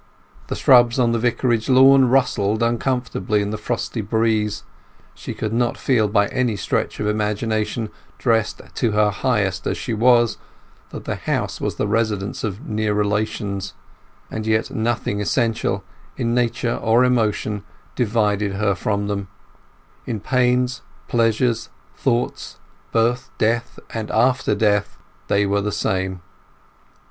The shrubs on the Vicarage lawn rustled uncomfortably in the frosty breeze; she could not feel by any stretch of imagination, dressed to her highest as she was, that the house was the residence of near relations; and yet nothing essential, in nature or emotion, divided her from them: in pains, pleasures, thoughts, birth, death, and after death, they were the same.